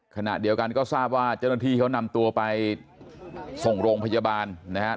ขณะเดียวกันก็ทราบว่าเจ้าหน้าที่เขานำตัวไปส่งโรงพยาบาลนะครับ